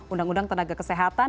undang undang tenaga kesehatan